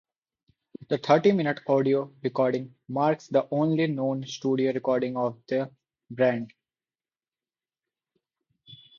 The thirty-minute audio recording marks the only known studio recording of the band.